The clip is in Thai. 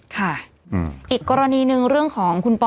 ค่ะอีกกรณีหนึ่งเรื่องของคุณปอ